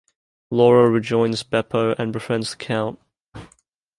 Laura rejoins Beppo and befriends the Count.